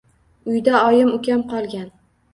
Uyda oyim, ukam qolgan.